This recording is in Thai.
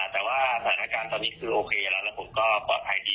แต่ว่าสถานการณ์ตอนนี้คือโอเคแล้วแล้วผมก็ปลอดภัยดี